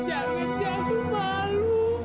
jangan jah aku malu